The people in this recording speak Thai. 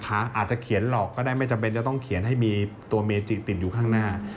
อาจจะเขียนหลอกก็ได้ไม่จำเป็นจะต้องเขียนให้มีตัวเมจิติดอยู่ข้างหน้า